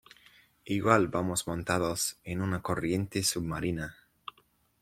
igual vamos montados en una corriente submarina